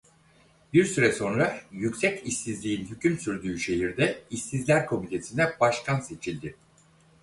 Bir süre sonra yüksek işsizliğin hüküm sürdüğü şehirde işsizler komitesine başkan seçildi.